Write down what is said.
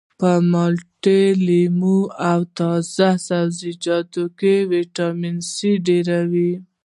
په مالټه لیمو او تازه سبزیجاتو کې ویټامین سي ډیر وي